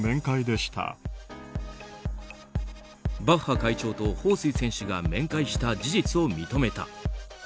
バッハ会長とホウ・スイ選手が面会した事実を認めた。